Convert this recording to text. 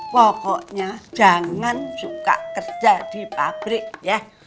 pokoknya jangan suka kerja di pabrik ya